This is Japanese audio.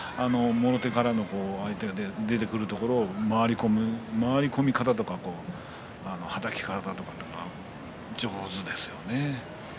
もろ手から相手が出ていくところ回り込み方とか、はたき方とか上手ですよね。